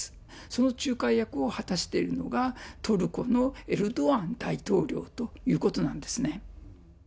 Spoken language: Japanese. その仲介役を果たしているのが、トルコのエルドアン大統領ということなんですね。